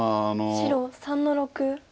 白３の六。